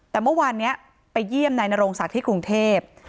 แต่เมื่อวานนี้ไปเยี่ยมนายนโรงศักดิ์ที่กรุงเทพ